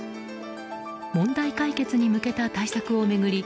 問題解決に向けた対策を巡り